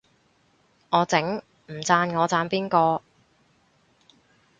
我整，唔讚我讚邊個